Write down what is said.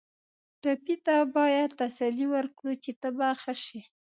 ټپي ته باید تسل ورکړو چې ته به ښه شې.